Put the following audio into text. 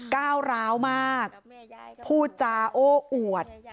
ก้าวร้าวมากพูดจาโอ้อวด